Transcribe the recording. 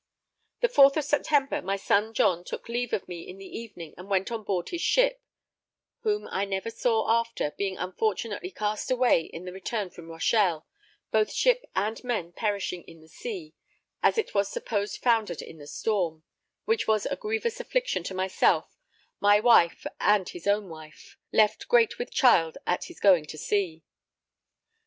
The 4th of September, my son John took leave of me in the evening and went on board his ship; whom I never saw after, being unfortunately cast away in the return from Rochelle; both ship and men perishing in the sea, as it was supposed foundered in the storm, which was a grievous affliction to myself, my wife [and] his own wife, left great with child at his going to sea.